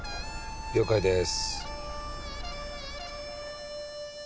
了解です。